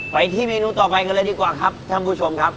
ไปที่เมนูต่อไปกันเลยดีกว่าครับท่านผู้ชมครับ